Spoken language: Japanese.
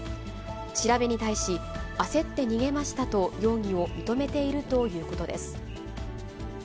調べに対し、焦って逃げましたと、容疑を認めているということです。